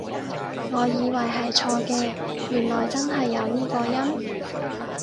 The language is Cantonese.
我以為係錯嘅，原來真係有呢個音？